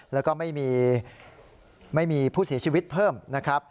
แล้วก็ไม่มีผู้เสียชีวิตเพิ่มนะครับ